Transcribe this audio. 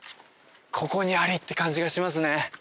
ここにありって感じがしますね